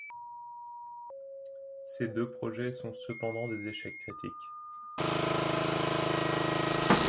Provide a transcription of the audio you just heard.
Ces deux projets sont cependant des échecs critique.